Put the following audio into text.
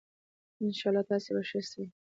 ان شاءاللّه تاسي به ښه سئ